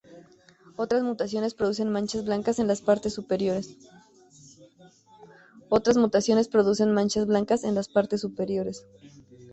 Otras mutaciones producen manchas blancas en las partes superiores.